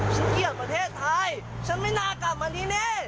เกลียดประเทศไทยฉันไม่น่ากลับมาที่นี่